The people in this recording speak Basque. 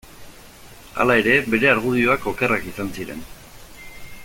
Hala ere, bere argudioak okerrak izan ziren.